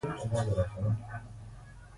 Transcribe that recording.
د پیرودونکو خوښي د بازار وده ټاکي.